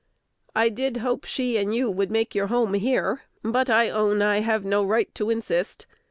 I did hope she and you would make your home here; but I own I have no right to insist.